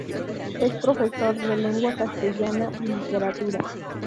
Es profesor de Lengua castellana y literatura.